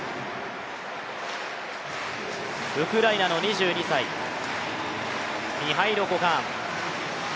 ウクライナの２２歳、ミハイロ・コカーン。